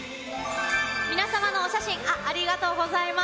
皆様のお写真、あっ、ありがとうございます。